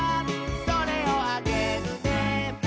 「それをあげるね」